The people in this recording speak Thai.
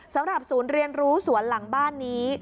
สำหรับศูนย์เรียนรู้สวนหลังบ้านนี้